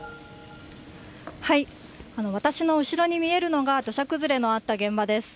私の後ろに見えるのが、土砂崩れのあった現場です。